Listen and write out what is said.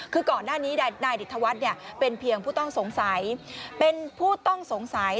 คือก่อนหน้านี้นายดิษฐวัสเนี่ยเป็นเพียงผู้ต้องสงสัย